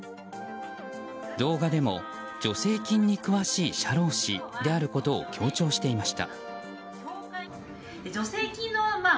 動画でも助成金に詳しい社労士であることを強調していました。